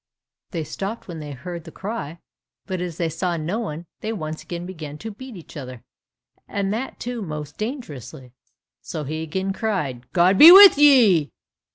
They stopped when they heard the cry, but as they saw no one, they once more began to beat each other, and that too most dangerously. So he again cried, "God be with ye!"